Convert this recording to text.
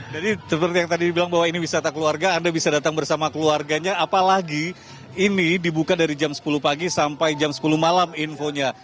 jadi seperti yang tadi bilang bahwa ini wisata keluarga anda bisa datang bersama keluarganya apalagi ini dibuka dari jam sepuluh pagi sampai jam sepuluh malam infonya